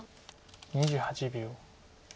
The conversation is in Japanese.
２８秒。